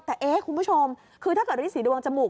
แต่คุณผู้ชมคือถ้าเกิดเรื่องสีดวงจมูก